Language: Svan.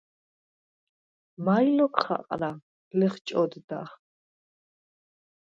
“მაჲ ლოქ ხაყრა?” ლეხჭოდდახ.